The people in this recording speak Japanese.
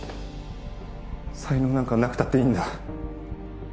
才能なんかなくたっていいんだ